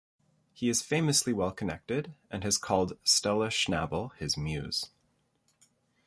He is famously well-connected and has called Stella Schnabel his muse.